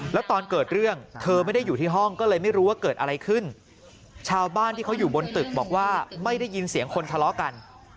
แล้วตอนเกิดเรื่องเธอไม่ได้อยู่ที่ห้องก็เลยไม่รู้ว่าเกิดอะไรขึ้นชาวบ้านที่เขาอยู่บนตึกบอกว่าไม่ได้ยินเสียงคนทะเลาะกัน